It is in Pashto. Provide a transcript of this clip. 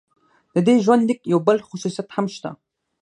د دې ژوندلیک یو بل خصوصیت هم شته.